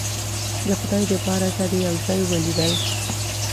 د خدای د پاره که دې یو ځای ولیدل